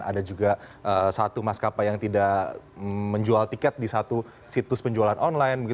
ada juga satu maskapai yang tidak menjual tiket di satu situs penjualan online